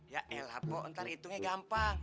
yaelah pok ntar hitungnya gampang